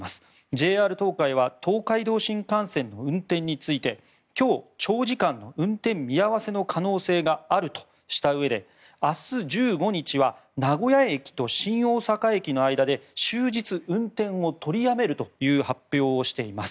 ＪＲ東海は東海道新幹線の運転について今日、長時間の運転見合わせの可能性があるとしたうえで明日１５日は名古屋駅と新大阪駅の間で終日運転を取りやめるという発表をしています。